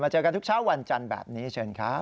เจอกันทุกเช้าวันจันทร์แบบนี้เชิญครับ